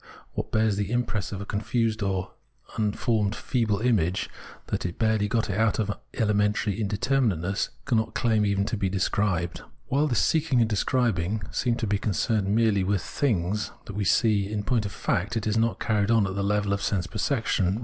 What bears the impress of a confused or unformed feeble image, that has barely got out of elementary indeter minateness, cannot claim even to be described. While this seeking and describing seem to be con cerned merely with things, we see that in point of fact it is not carried on at the level of sense perception.